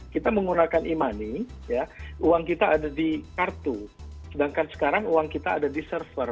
kita menggunakan e money uang kita ada di kartu sedangkan sekarang uang kita ada di server